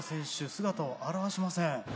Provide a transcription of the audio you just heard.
姿を現しません。